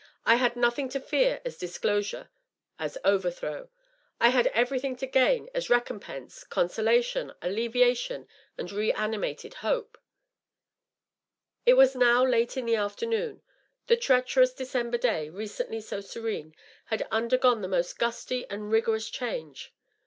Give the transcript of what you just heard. I had nothing to fear as disclosure, as overthrow. I had everything to gain as recompense, consolation, alleviation and reanimated hope. It was now late in the aflbemoon. The treacherous December day, recently so serene, had undergone the most gusty and rigorous change.